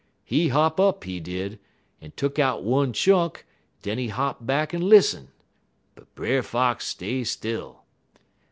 He hop up, he did, en tuck out one chunk, en den he hop back en lissen, but Brer Fox stay still.